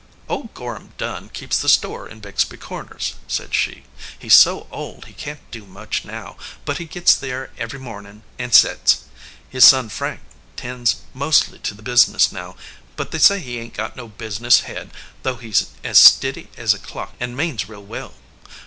"Old Gorham Dunn keeps the store in Bixby Corners," said she. "He s so old he can t do much now, but he gits there every morning and sets. His son Frank tends mostly to the business now, but they say he ain t got no business head, though he s as stiddy as a clock an means real well.